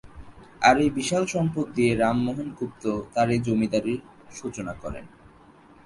আর এই বিশাল সম্পদ দিয়ে রামমোহন গুপ্ত তার এই জমিদারীর সূচনা করেন।